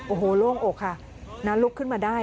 โอ้โหโล่งอกค่ะลุกขึ้นมาได้